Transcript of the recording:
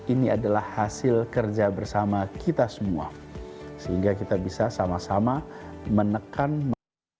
ini adalah hasil kerja bersama kita semua sehingga kita bisa sama sama menekan